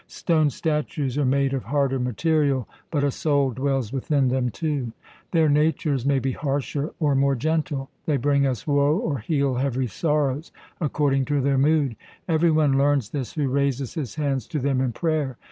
Stone statues are made of harder material, but a soul dwells within them too. Their natures may be harsher or more gentle; they bring us woe or heal heavy sorrows, according to their mood. Every one learns this who raises his hands to them in prayer.